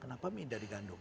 kenapa mie dari ganduk